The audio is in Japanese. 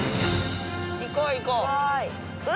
行こう行こう。